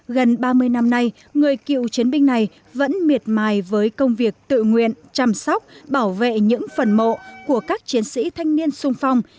gần ba mươi năm nay người cựu chiến binh này vẫn miệt mài với công việc tự nguyện chăm sóc bảo vệ những phần mộ của các chiến sĩ thanh niên sung phong